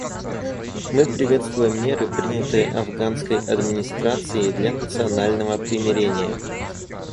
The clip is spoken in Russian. Мы приветствуем меры, принятые афганской администрацией для национального примирения.